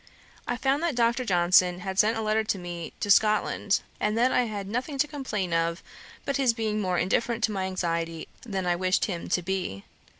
I found that Dr. Johnson had sent a letter to me to Scotland, and that I had nothing to complain of but his being more indifferent to my anxiety than I wished him to be.